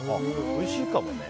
おいしいかもね。